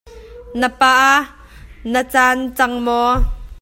Na pa na can cang maw?